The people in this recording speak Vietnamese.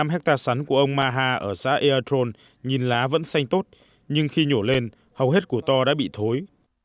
một năm hectare sắn của ông ma ha ở xã eartron nhìn lá vẫn xanh tốt nhưng khi nhổ lên hầu hết củ to đã bị thối